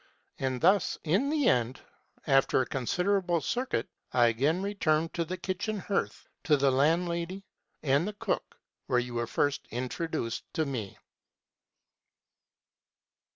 And thus in the end, though after a considerable circuit, I again returned to the kitchen hearth, to the landlady and the cook, where you were first introduced to me."